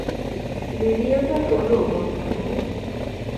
রেডিওটা তোলো, বন্ধু।